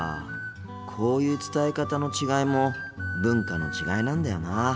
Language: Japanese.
こういう伝え方の違いも文化の違いなんだよな。